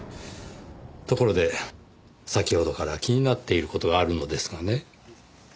ところで先ほどから気になっている事があるのですがね。